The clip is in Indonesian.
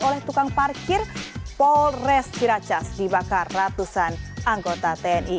oleh tukang parkir polres ciracas dibakar ratusan anggota tni